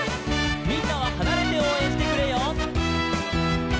「みんなははなれておうえんしてくれよ」